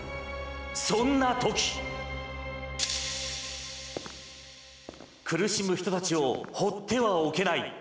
そんなとき苦しむ人たちを放ってはおけない。